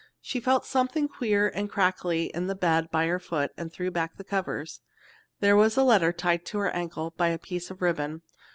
She felt something queer and crackly in the bed by her foot, and threw back the covers. There was a letter tied to her ankle by a piece of ribbon.